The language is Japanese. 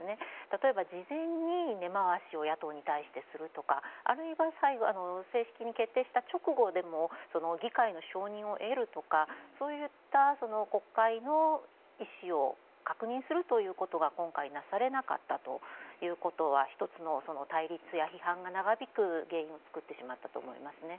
例えば、事前に根回しを野党に対してするとかあるいは最後正式に決定した直後でも議会の承認を得るとかそういった国会の意思を確認するということが今回なされなかったということは１つの、対立や批判が長引く原因を作ってしまったんだと思いますね。